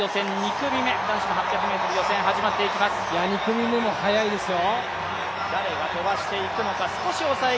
２組目も速いですよ。